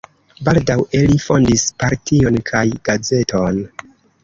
Baldaŭe li fondis partion kaj gazeton.